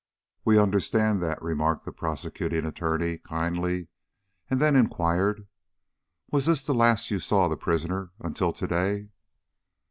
"We understand that," remarked the Prosecuting Attorney, kindly, and then inquired: "Was this the last you saw of the prisoner until to day?"